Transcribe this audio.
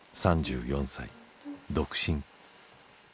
３４歳独身。